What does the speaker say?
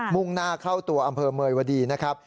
มุ่งหน้าเข้าตัวอำเภอเมยวดีนะครับ